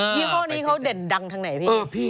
ี่ห้อนี้เขาเด่นดังทางไหนพี่